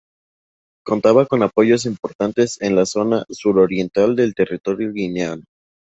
Contaba con apoyos importantes en la zona suroriental del territorio guineano.